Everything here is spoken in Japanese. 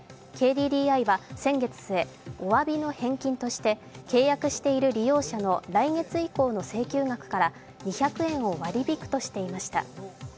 ＫＤＤＩは、先月末、お詫びの返金として契約している利用者の来月以降の請求額から２００円を割り引くとしていました。